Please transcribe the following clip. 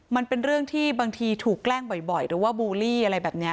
มันเป็นเรื่องที่บางทีถูกแกล้งบ่อยหรือว่าบูลลี่อะไรแบบนี้